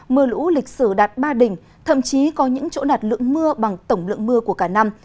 mưa lũ lịch sử đạt ba đỉnh thậm chí có những chỗ đạt lượng mưa bằng tổng lượng mưa của cả năm